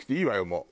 もう。